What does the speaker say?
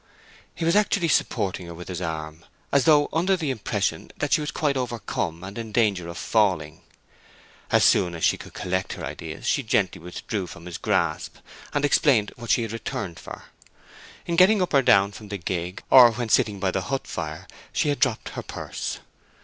He was actually supporting her with his arm, as though under the impression that she was quite overcome, and in danger of falling. As soon as she could collect her ideas she gently withdrew from his grasp, and explained what she had returned for: in getting up or down from the gig, or when sitting by the hut fire, she had dropped her purse.